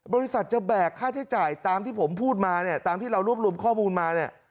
บริษัทจะแบกค่าใช้จ่ายตามที่ผมพูดมาเนี่ยตามที่เรารวบรวมข้อมูลมาเนี่ย